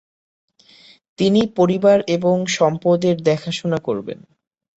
তিনি পরিবার এবং সম্পদের দেখাশুনা করবেন।